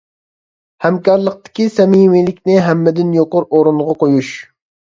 ھەمكارلىقتىكى سەمىمىيلىكنى ھەممىدىن يۇقىرى ئورۇنغا قويۇش.